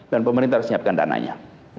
dan pemerintah harus menyiapkan dananya